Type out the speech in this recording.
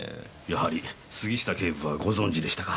やはり杉下警部はご存じでしたか。